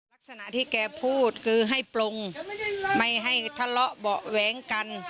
ลักษณะที่แกพูดคือให้ปลงไม่ให้ทะเลาะเบาะแว้งกัน